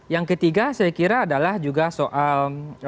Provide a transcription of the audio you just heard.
yang ketiga saya kira adalah juga soal